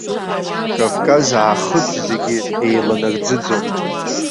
Кавказ аахыҵ зегьы еиланарӡыӡон.